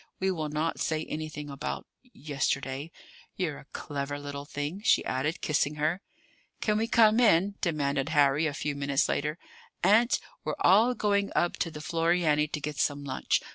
We will not say anything about yesterday. You're a clever little thing," she added, kissing her. "Can we come in?" demanded Harry, a few minutes later. "Aunt, we're all going up to the Floriani to get some lunch.